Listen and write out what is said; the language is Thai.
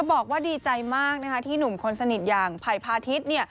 บอกว่าดีใจมากที่หนุ่มคนสนิทอย่างไผ่พาทิศ